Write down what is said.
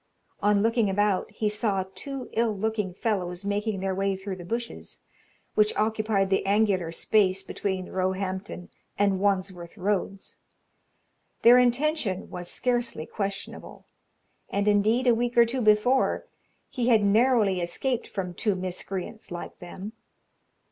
On looking about, he saw two ill looking fellows making their way through the bushes, which occupied the angular space between Roehampton and Wandsworth roads. Their intention was scarcely questionable, and, indeed, a week or two before, he had narrowly escaped from two miscreants like them.